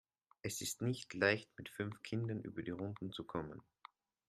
Es ist nicht leicht, mit fünf Kindern über die Runden zu kommen.